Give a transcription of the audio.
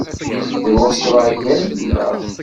Deg Ustṛalya ay luleɣ.